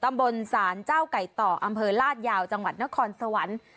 ตำบลศาลเจ้าไก่ต่ออำเภอลาดยาวจังหวัดนครสวรรค์